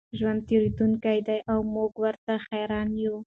ژوند تېرېدونکی دی او موږ ورته حېران یو.